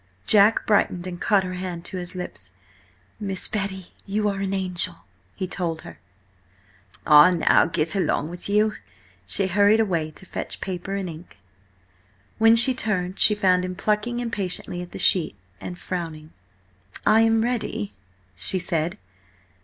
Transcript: Jack brightened, and caught her hand to his lips. "Miss Betty, you are an angel!" he told her. "Ah now, get along with you!" She hurried away to fetch paper and ink. When she returned she found him plucking impatiently at the sheet, and frowning. "I am ready," she said.